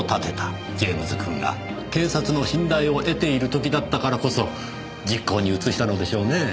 ジェームズくんが警察の信頼を得ている時だったからこそ実行に移したのでしょうねぇ。